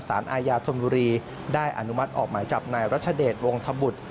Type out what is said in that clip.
สารอาญาธนบุรีได้อนุมัติออกหมายจับนายรัชเดชวงธบุตร